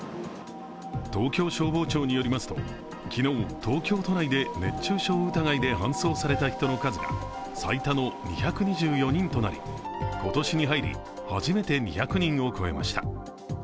東京消防庁によりますと昨日、東京都内で熱中症疑いで搬送された人の数が最多の２２４人となり今年に入り、初めて２００人を超えました。